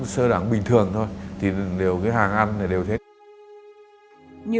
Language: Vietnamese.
sơ đẳng bình thường thôi thì đều cái hàng ăn là đều thế như